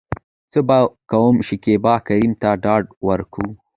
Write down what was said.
څه به کوم.شکيبا کريم ته ډاډ ورکو .